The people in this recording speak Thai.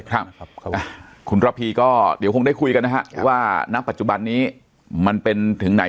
ครับครับคุณระพีก็เดี๋ยวคงได้คุยกันนะฮะว่าณปัจจุบันนี้มันเป็นถึงไหน